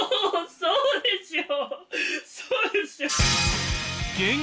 そうですよ！